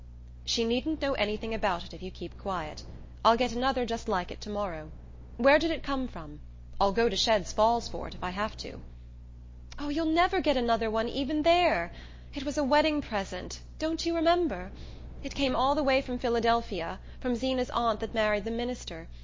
"She needn't know anything about it if you keep quiet. I'll get another just like it to morrow. Where did it come from? I'll go to Shadd's Falls for it if I have to!" "Oh, you'll never get another even there! It was a wedding present don't you remember? It came all the way from Philadelphia, from Zeena's aunt that married the minister.